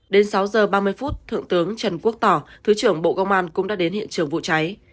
đến sáu giờ ba mươi phút thượng tướng trần quốc tỏ thứ trưởng bộ công an cũng đã đến hiện trường vụ cháy